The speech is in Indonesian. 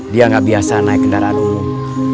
dia nggak biasa naik kendaraan umum